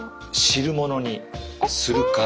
汁物にするか。